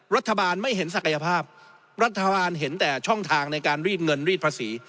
รัฐบาลไม่เห็นศักยภาพรัฐบาลเห็นแต่ช่องทางในการรีดเงินรีดภาษี